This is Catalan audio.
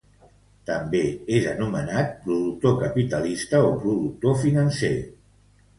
També és anomenat productor capitalista o productor financer.